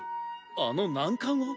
あの難関を？